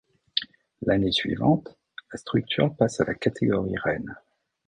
L'année suivante, la structure passe à la catégorie reine.